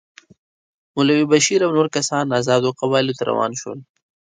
مولوي بشیر او نور کسان آزادو قبایلو ته روان شول.